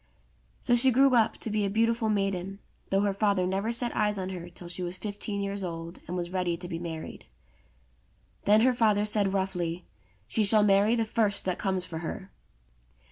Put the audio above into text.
So she grew up to be a beautiful maiden, though her father never set eyes on her till she was fifteen years old and was ready to be married. Then her father said roughly, "She shall marry the first that comes for her."